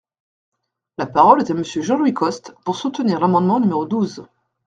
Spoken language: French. La parole est à Monsieur Jean-Louis Costes, pour soutenir l’amendement numéro douze.